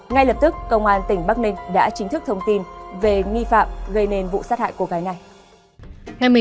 ngay lập tức công an tỉnh bắc ninh đã chính thức thông tin về nghi phạm gây nên vụ sát hại cô gái này